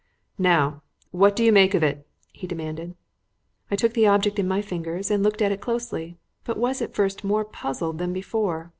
"Now, what do you make it?" he demanded. I took the object in my fingers and looked at it closely, but was at first more puzzled than before.